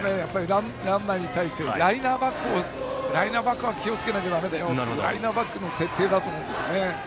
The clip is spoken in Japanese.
ランナーに対してライナーバックは気をつけないといけないというライナーバックの徹底だと思うんです。